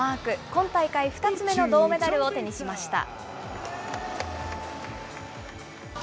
今大会２つ目の銅メダルを手にしました。